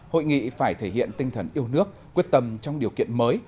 hội nghị phải thể hiện tinh thần yêu nước quyết tâm trong điều kiện mới